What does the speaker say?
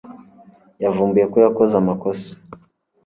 Yavumbuye ko yakoze amakosa.